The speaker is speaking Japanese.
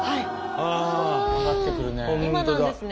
上がってくるね。